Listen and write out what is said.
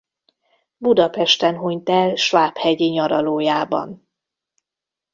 Budapesten hunyt el svábhegyi nyaralójában.